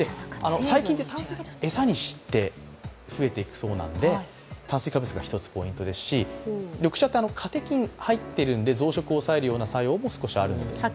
細菌が餌にして増えていくそうなので炭水化物はポイントですし緑茶ってカテキン入ってるので増殖を抑える効果があるんです。